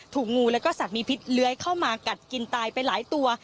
ถูกงูแล้วก็สัตว์มีพิษเลื้อยเข้ามากัดกินตายไปหลายตัว